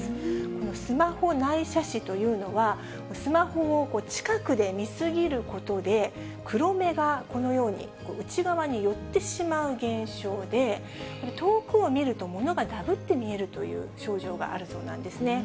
このスマホ内斜視というのは、スマホを近くで見過ぎることで、黒目が、このように内側に寄ってしまう現象で、これ、遠くを見るとものがだぶって見えるという症状があるそうなんですね。